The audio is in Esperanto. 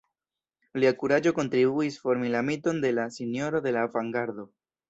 Lia kuraĝo kontribuis formi la miton de la «Sinjoro de la Avangardo».